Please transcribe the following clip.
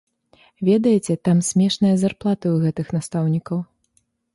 Ведаеце, там смешныя зарплаты ў гэтых настаўнікаў.